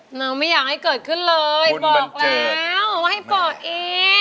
หนูไม่อยากให้เกิดขึ้นเลยบอกแล้วไม่ให้บอกอีกคุณบัญเจิดไม่ได้